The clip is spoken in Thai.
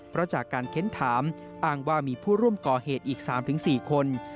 เพราะจากการเค้นถามอ้างว่ามีผู้ร่วมก่อเหตุอีก๓๔คน